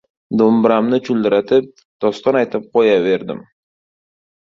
Do‘mbiramni chuldiratib, doston aytib qo‘yaverdim.